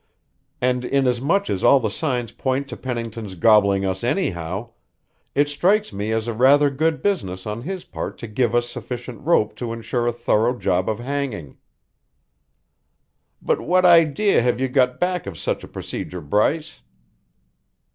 And inasmuch as all the signs point to Pennington's gobbling us anyhow, it strikes me as a rather good business on his part to give us sufficient rope to insure a thorough job of hanging." "But what idea have you got back of such a procedure, Bryce?"